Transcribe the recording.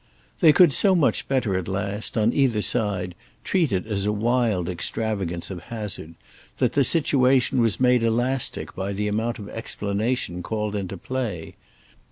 They could so much better at last, on either side, treat it as a wild extravagance of hazard, that the situation was made elastic by the amount of explanation called into play.